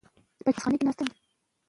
سالم چاپېريال د ناروغیو مخه نیسي.